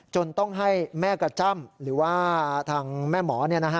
จนต้องให้แม่กระจ้ำหรือว่าทางแม่หมอ